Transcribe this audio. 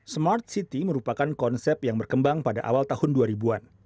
smart city merupakan konsep yang berkembang pada awal tahun dua ribu an